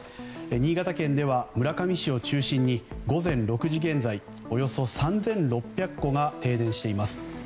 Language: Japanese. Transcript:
新潟県では村上市を中心に午前６時現在およそ３６００戸が停電しています。